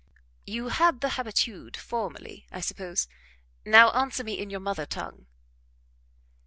"You had the habitude formerly, I suppose? Now answer me in your mother tongue."